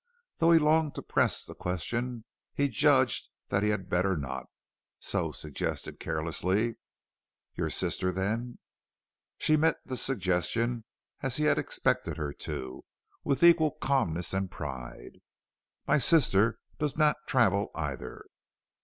Though he longed to press the question he judged that he had better not, so suggested carelessly: "Your sister, then?" But she met this suggestion, as he had expected her to, with equal calmness and pride. "My sister does not travel either."